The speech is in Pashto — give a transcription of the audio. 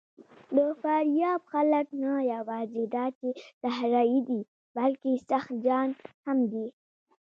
د فاریاب خلک نه یواځې دا چې صحرايي دي، بلکې سخت جان هم دي.